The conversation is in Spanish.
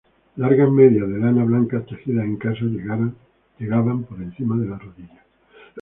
Largas medias de lana blancas tejidas en casa llegaban por encima de la rodilla.